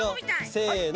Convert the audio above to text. せの！